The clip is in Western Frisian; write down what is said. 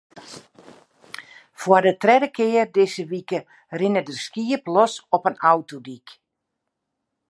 Foar de tredde kear dizze wike rinne der skiep los op in autodyk.